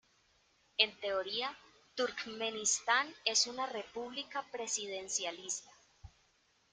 En teoría, Turkmenistán es una república presidencialista.